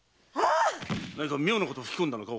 何か妙なことを吹き込んだのか？